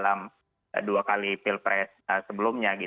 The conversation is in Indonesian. yang sudah bekerja sama dalam dua kali pilpres sebelumnya